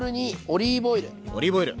オリーブオイル。